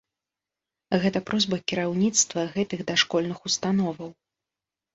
Гэта просьба кіраўніцтва гэтых дашкольных установаў.